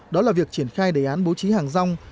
đó là việc triển khai đề án bố trí hàng rong